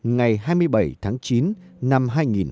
ngày hai mươi bảy tháng chín năm hai nghìn một mươi chín